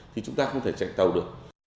thì chúng ta không thể chạy tàu được